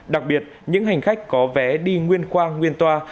đặc biệt những hành khách có vé đi nguyên qua nguyên toa